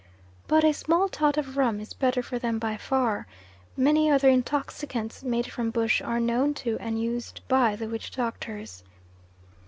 But a small tot of rum is better for them by far. Many other intoxicants made from bush are known to and used by the witch doctors.